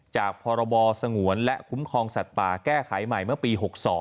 พรบสงวนและคุ้มครองสัตว์ป่าแก้ไขใหม่เมื่อปี๖๒